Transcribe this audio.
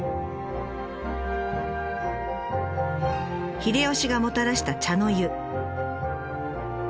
秀吉がもたらした茶の湯。